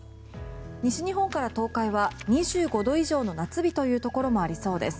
西日本から東海は２５度以上の夏日というところもありそうです。